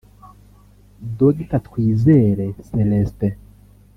Dr Twizere Celestin